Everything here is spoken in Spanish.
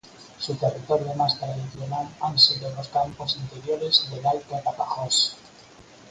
Su territorio más tradicional han sido los campos interiores del alto Tapajós.